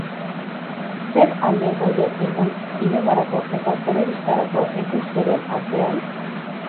Zer alde daude egun zinemarako eta telebistarako ekoizpenen artean?